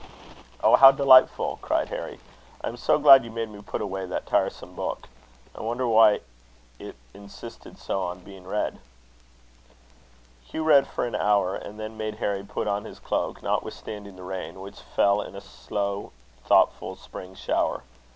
"Oh, how delightful!" cried Harry. "I am so glad you made me put away that tiresome book. I wonder why it insisted so on being read." Hugh read for an hour, and then made Harry put on his cloak, notwithstanding the rain, which fell in a slow thoughtful spring shower.